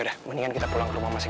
kamu tuh gimana sih